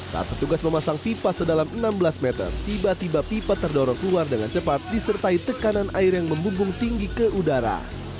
saat petugas memasang pipa sedalam enam belas meter tiba tiba pipa terdorong keluar dengan cepat disertai tekanan air yang membumbung tinggi ke udara